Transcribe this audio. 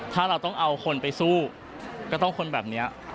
ถ้าเราต้องเอาคนไปสู้ก็ต้องคนแบบนี้